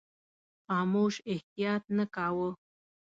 خاموش احتیاط نه کاوه.